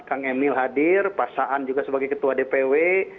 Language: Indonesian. kang emil hadir pak saan juga sebagai ketua dpw